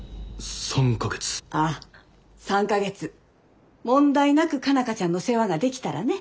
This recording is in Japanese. ああ３か月問題なく佳奈花ちゃんの世話ができたらね。